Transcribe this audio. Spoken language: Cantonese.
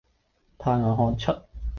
怕我看出，